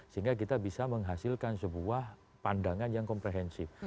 sehingga kita bisa menghasilkan sebuah pandangan yang komprehensif